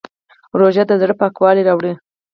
روژه د زړه پاکوالی راوړي.